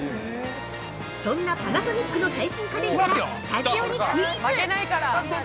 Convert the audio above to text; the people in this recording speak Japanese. そんなパナソニックの最新家電からスタジオにクイズ！